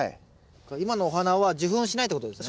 今のお花は受粉しないってことですね。